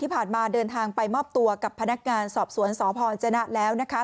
เดินทางไปมอบตัวกับพนักงานสอบสวนสพจนะแล้วนะคะ